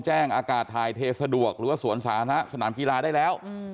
อากาศถ่ายเทสะดวกหรือว่าสวนสาธารณะสนามกีฬาได้แล้ว